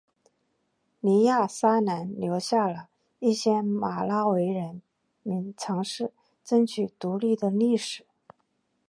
尼亚萨兰留下了一些马拉维人民尝试争取独立的历史。